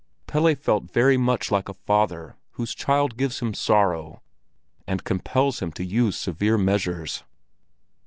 Pelle felt very much like a father whose child gives him sorrow and compels him to use severe measures.